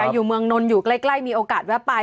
อยู่เมืองนนท์อยู่ใกล้มีโอกาสแวะไป